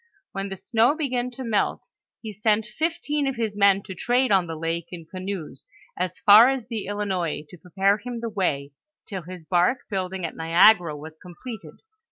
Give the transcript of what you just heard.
When the snow began to melt, he seni fifteen of his men to trade on the lake in canoes, as far as the Hinois to prepare him the way, till his barque building at Niagara was completed.